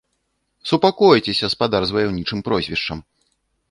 Супакойцеся, спадар з ваяўнічым прозвішчам!